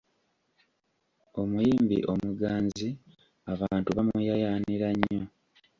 Omuyimbi omuganzi abantu bamuyaayaanira nnyo.